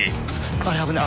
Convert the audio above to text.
あれ危ない。